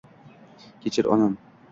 Kechir, onam!